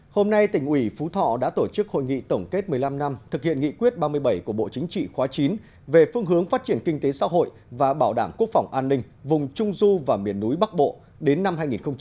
hôm nay tỉnh ủy phú thọ đã tổ chức hội nghị tổng kết một mươi năm năm thực hiện nghị quyết ba mươi bảy của bộ chính trị khóa chín về phương hướng phát triển kinh tế xã hội và bảo đảm quốc phòng an ninh vùng trung du và miền núi bắc bộ đến năm hai nghìn hai mươi